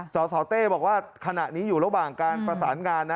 สสเต้บอกว่าขณะนี้อยู่ระหว่างการประสานงานนะ